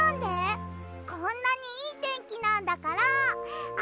こんなにいいてんきなんだからあそぼうよ！